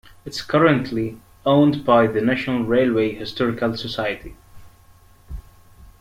It is currently owned by the National Railway Historical Society.